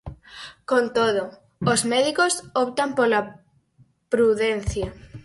Con todo, os médicos optan pola prudencia.